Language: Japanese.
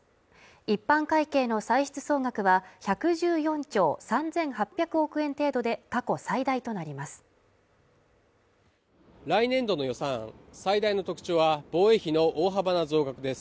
一般会計の歳出総額は１１４兆３８００億円程度で過去最大となります